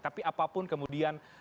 tapi apapun kemudian